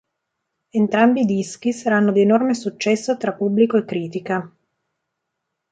Entrambi i dischi saranno di enorme successo tra pubblico e critica.